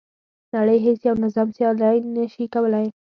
نړۍ هیڅ یو نظام سیالي نه شوه کولای.